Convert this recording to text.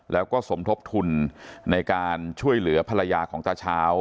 แล้วก็สมทบทุนในการช่วยเหลือภรรยาของตาเช้า